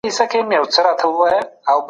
که انلاین روزنه وي، مسلکي مهارتونه ژر وده کوي.